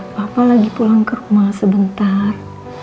papa lagi pulang ke rumah sebentar